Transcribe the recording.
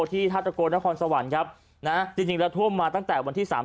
ธาตะโกนครสวรรค์ครับนะจริงจริงแล้วท่วมมาตั้งแต่วันที่สาม